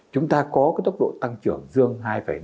chúng ta có cái tốc độ tăng trưởng dương hai năm mươi tám